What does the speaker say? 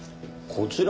こちら。